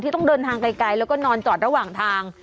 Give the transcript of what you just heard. ต้องเดินทางไกลแล้วก็นอนจอดระหว่างทาง